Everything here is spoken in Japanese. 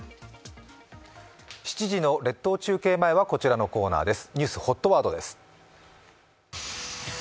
７時の列島中継前はこちらのコーナーです。